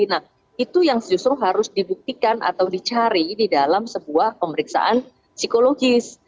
nah itu yang justru harus dibuktikan atau dicari di dalam sebuah pemeriksaan psikologis